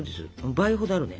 倍ほどあるね。